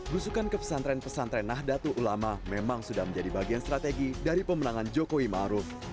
busukan ke pesantren pesantren nahdlatul ulama memang sudah menjadi bagian strategi dari pemenangan jokowi ma'ruf